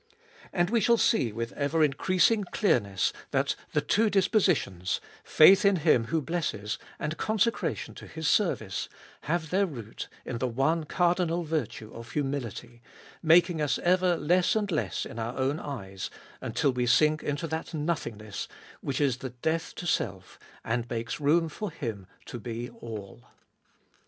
And we shall see with ever increas 234 cbe Doiiest of BU ing clearness that the two dispositions, faith in Him who blesses and consecration to His service, have their root in the one cardinal virtue of humility, making us ever less and less in our own eyes, until we sink into that nothingness, which is the death to self, and makes room for Him to be All.